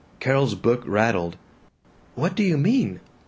Carol's book rattled. "What do you mean?"